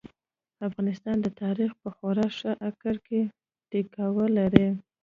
افغانستان د تاريخ په خورا ښه اکر کې ټيکاو لري.